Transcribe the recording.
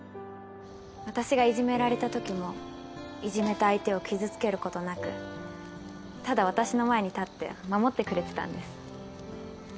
私がいじめられた時もいじめた相手を傷つけることなくただ私の前に立って守ってくれてたんです。